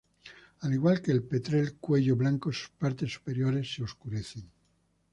Al igual que el petrel cuello blanco, sus partes superiores se oscurecen.